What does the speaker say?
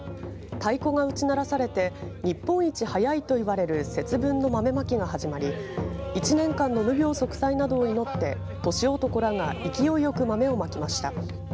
太鼓が打ち鳴らされて日本一早いといわれる節分の豆まきが始まり１年間の無病息災などを祈って年男らが勢いよく豆をまきました。